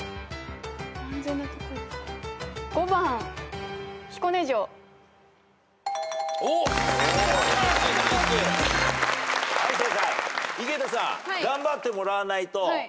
井桁さん頑張ってもらわないと。